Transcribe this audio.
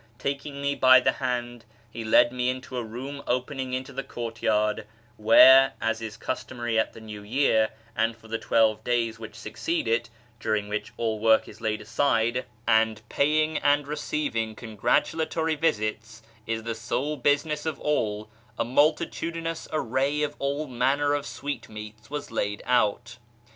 Taking me by the hand, I he led me into a room opening into the courtyard, where, as is customary at the New Year, and for the twelve days which [Succeed it (during which all work is laid aside, and paying and 262 A YEAR AMONGST THE PERSIANS receiviug cougratulatory visits is the sole business of all), a multitudinous array of all manner of sweetmeats was laid out.